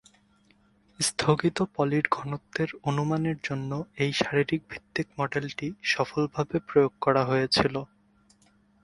স্থগিত পলির ঘনত্বের অনুমানের জন্য এই শারীরিক ভিত্তিক মডেলটি সফলভাবে প্রয়োগ করা হয়েছিল।